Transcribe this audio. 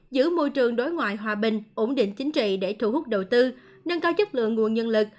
giữ môi trường đối ngoại hòa bình ổn định chính trị để thu hút đầu tư nâng cao chất lượng nguồn nhân lực